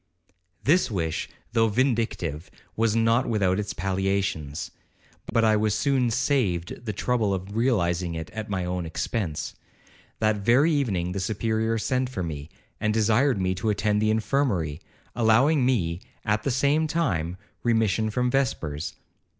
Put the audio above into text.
'This wish, though vindictive, was not without its palliations; but I was soon saved the trouble of realizing it at my own expence. That very evening the Superior sent for me, and desired me to attend in the infirmary, allowing me, at the same time, remission from vespers.